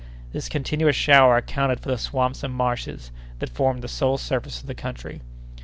This continuous shower accounted for the swamps and marshes that formed the sole surface of the country.